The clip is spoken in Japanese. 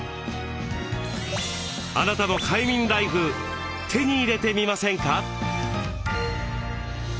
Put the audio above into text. あなたも快眠ライフ手に入れてみませんか？